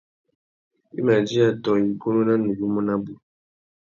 I mà djï atõh igunú na nuyumu nabú.